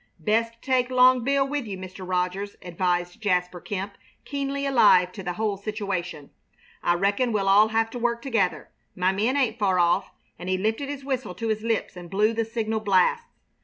"Best take Long Bill with you, Mr. Rogers," advised Jasper Kemp, keenly alive to the whole situation. "I reckon we'll all have to work together. My men ain't far off," and he lifted his whistle to his lips and blew the signal blasts.